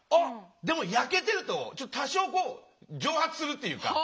でも焼けてると多少蒸発するっていうか。